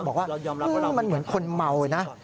บอกว่ามันเหมือนคนเมานะ